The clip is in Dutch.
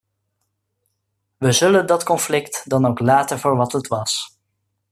We zullen dat conflict dan ook laten voor wat het was.